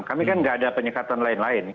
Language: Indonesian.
kami kan nggak ada penyekatan lain lain